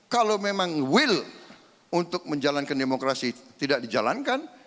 kalau memang will untuk menjalankan demokrasi tidak dijalankan